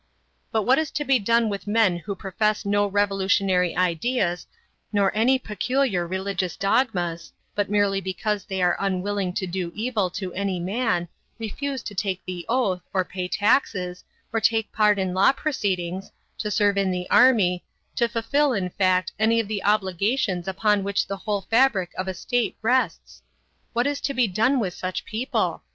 But what is to be done with men who profess no revolutionary ideas nor any peculiar religious dogmas, but merely because they are unwilling to do evil to any man, refuse to take the oath, to pay taxes, to take part in law proceedings, to serve in the army, to fulfill, in fact, any of the obligations upon which the whole fabric of a state rests? What is to done with such people?